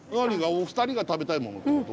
お二人が食べたいものってこと？